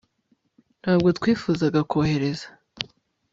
ntabwo twifuzaga kohereza